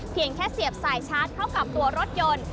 เพียงแค่เสียบสายชาร์จเข้ากับตัวรถยนต์